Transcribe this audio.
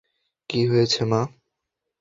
কী হয়েছে মা?